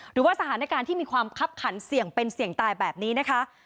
หรือว่าสถานการณ์ที่มีความคับขันเสี่ยงเป็นเสี่ยงตายแบบนี้นะคะ